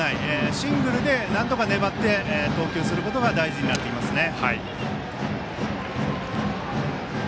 シングルでなんとか粘って投球することが大事になってきますね。